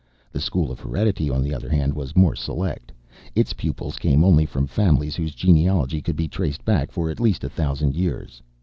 The School of Heredity, on the other hand, was more select. Its pupils came only from families whose genealogy could be traced back for at least a thousand years.